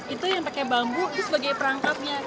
itu yang pakai bambu itu sebagai perangkapnya